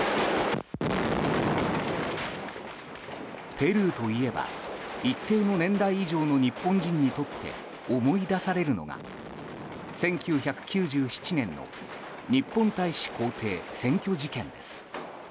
ペルーといえば一定の年代以上の日本人にとって思い出されるのが１９９７年の日本大使公邸占拠事件です。